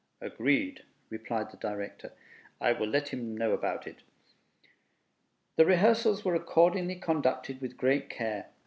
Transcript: "Agreed," replied the Director; "I will let him know about it." The rehearsals were accordingly conducted with great care.